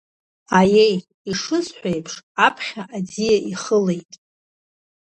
Аиеи, ишысҳәоз еиԥш, аԥхьа аӡиа ихылеит.